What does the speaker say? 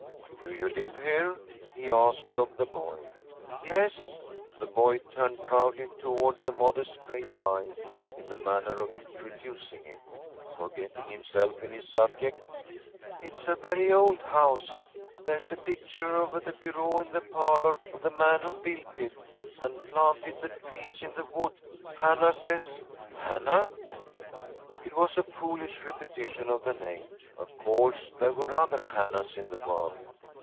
'Do you live here?' he asked of the boy. 'Yes.' The boy turned proudly toward the modest gray pile in the manner of introducing it, forgetting himself in his subject. 'It's a very old house. There's a picture over the bureau in the parlor of the man who built it, and planted the trees in the wood. Hannah says 'Hannah!' It was a foolish repetition of the name. Of course there were other Hannahs in the world.